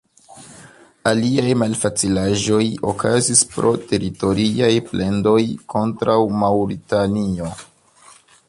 Aliaj malfacilaĵoj okazis pro teritoriaj plendoj kontraŭ Maŭritanio.